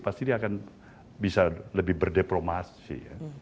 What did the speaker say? pasti dia akan bisa lebih berdepromasi